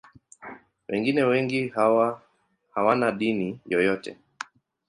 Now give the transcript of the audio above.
Wengine wengi hawana dini yoyote.